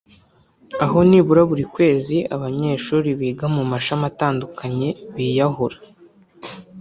aho nibura buri kwezi abanyeshuri biga mu mashami atandukanye biyahura